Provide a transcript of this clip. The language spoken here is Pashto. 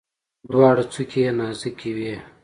دواړه څوکي یې نازکې وي.